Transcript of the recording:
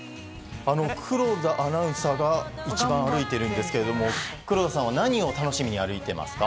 黒田アナウンサーが一番歩いているんですけど黒田さんは何を楽しみに歩いていますか？